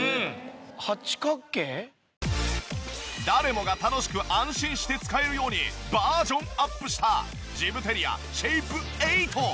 誰もが楽しく安心して使えるようにバージョンアップしたジムテリアシェイプエイト。